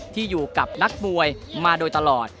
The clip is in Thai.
ที่อยู่กับนักมวยมาโดยตลอด